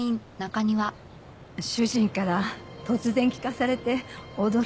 主人から突然聞かされて驚いてて。